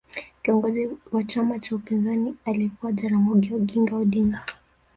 kiongozi wa chama cha upinzani alikuwake jaramogi oginga Odinga